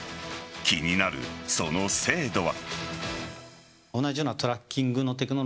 気になる、その精度は。